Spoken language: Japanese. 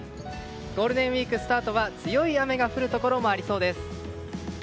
ゴールデンウィークスタートは強い雨が降るところもありそうです。